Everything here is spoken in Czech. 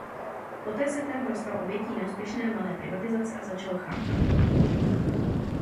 Poté se tábor stal obětí neúspěšné Malé privatizace a začal chátrat.